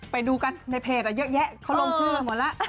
ไปดูกันในเพจอะเยอะเขาลงชื่ออะไรหมดละ